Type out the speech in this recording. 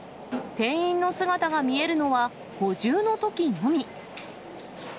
店員の姿が見えるのは、補充のときのみ。